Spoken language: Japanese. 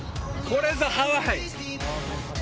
これぞハワイ！